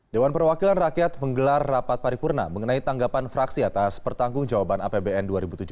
dewan perwakilan rakyat menggelar rapat paripurna mengenai tanggapan fraksi atas pertanggung jawaban apbn dua ribu tujuh belas